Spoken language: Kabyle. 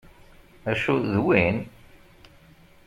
Acu d win?